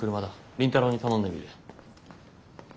倫太郎に頼んでみる。